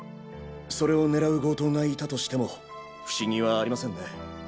それを狙う強盗がいたとしても不思議はありませんね。